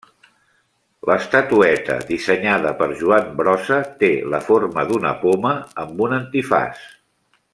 L'estatueta, dissenyada per Joan Brossa, té la forma d'una poma amb un antifaç.